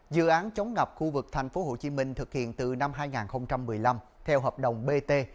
dự án chống ngập khu vực tp hcm thực hiện từ năm hai nghìn một mươi năm theo hợp đồng bt